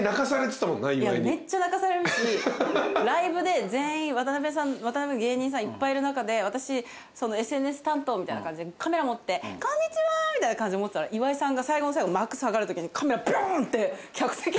めっちゃ泣かされるしライブで全員ワタナベの芸人さんいっぱいいる中で私ＳＮＳ担当みたいな感じでカメラ持ってこんにちはみたいな感じで持ってたら岩井さんが最後の最後幕下がるときに。